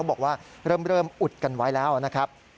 บอกว่าเริ่มอุดกันไว้แล้วนะครับ